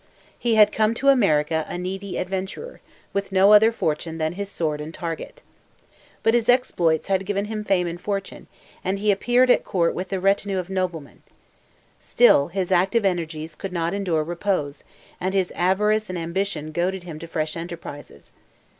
He had come to America a needy adventurer, with no other fortune than his sword and target. But his exploits had given him fame and fortune, and he appeared at court with the retinue of a nobleman. Still, his active energies could not endure repose, and his avarice and ambition goaded him to fresh enterprises.